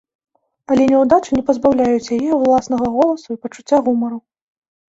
Але няўдачы не пазбаўляюць яе ўласнага голасу і пачуцця гумару.